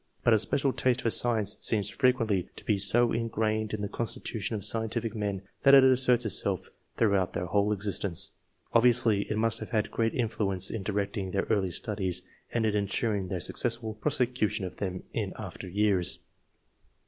But a special taste for science seems frequently to be so ingrained in the constitution of scientific men, that it asserts itself throughout their whole existence. Ob viously it must have had great influence in directing their early studies and in ensuring their successful prosecution of them in after years.